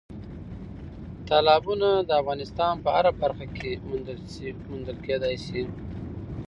تالابونه د افغانستان په هره برخه کې موندل کېدای شي.